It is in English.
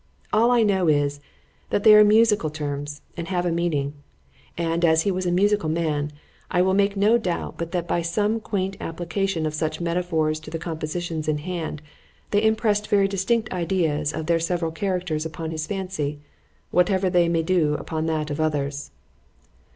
——All I know is, that they are musical terms, and have a meaning;——and as he was a musical man, I will make no doubt, but that by some quaint application of such metaphors to the compositions in hand, they impressed very distinct ideas of their several characters upon his fancy,—whatever they may do upon that of others.